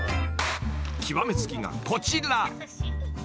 ［極め付きがこちら］